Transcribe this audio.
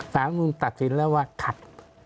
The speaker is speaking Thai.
สหรัฐมูลตัดสินแล้วว่าขัด